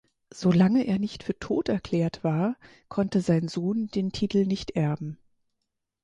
Solange er nicht für tot erklärt war, konnte sein Sohn den Titel nicht erben.